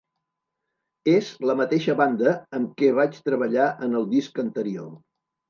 És la mateixa banda amb què vaig treballar en el disc anterior.